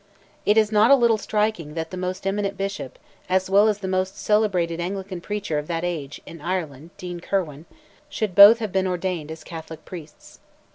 It is not a little striking that the most eminent bishop, as well as the most celebrated Anglican preacher of that age, in Ireland (Dean Kirwan), should both have been ordained as Catholic priests.